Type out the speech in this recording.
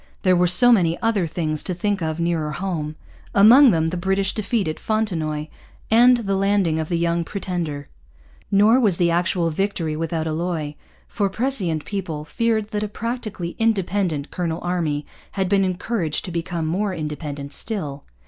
There were so many other things to think of nearer home; among them the British defeat at Fontenoy and the landing of the Young Pretender. Nor was the actual victory without alloy; for prescient people feared that a practically independent colonial army had been encouraged to become more independent still.